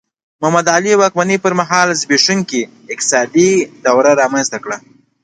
د محمد علي واکمنۍ پر مهال زبېښونکي اقتصاد دوره رامنځته کړه.